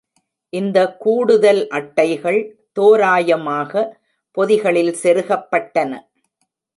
இந்த கூடுதல் அட்டைகள் தோராயமாக பொதிகளில் செருகப்பட்டன.